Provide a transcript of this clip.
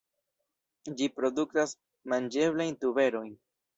Ĝi produktas manĝeblajn tuberojn.